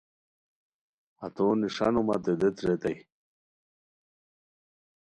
ہتو نݰانو متے دیت ریتائے